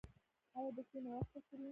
ایا د شپې ناوخته خورئ؟